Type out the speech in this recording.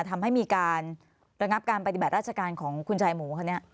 ทำให้มีการระงับการปฏิบัติราชการของคุณชายหมูคนนี้